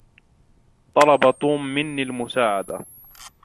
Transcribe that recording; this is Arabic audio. طلب توم مني المساعدة.